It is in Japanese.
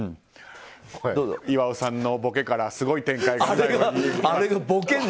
岩尾さんのボケからすごい展開に。